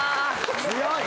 強い。